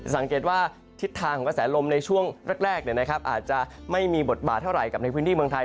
สังเกตว่าทิศทางของกระแสลมในช่วงแรกอาจจะไม่มีบทบาทเท่าไหร่กับในพื้นที่เมืองไทย